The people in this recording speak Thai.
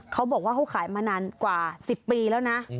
เขาบอกว่าเขาขายมานานกว่า๑๐ปีแล้วนะ